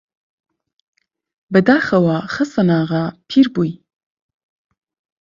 بەداخەوە خەسەناغا پیر بووی!